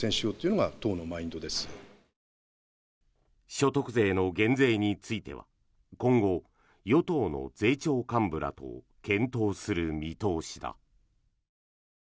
所得税の減税については今後、与党の税調幹部らと検討する見通しだ。